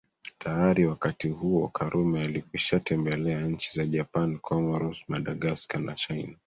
Tayari wakati huo Karume alikwishatembelea nchi za Japan Comoro Madagascar na China